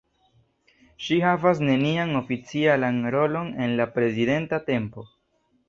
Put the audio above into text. Ŝi havas nenian oficialan rolon en la prezidenta tempo.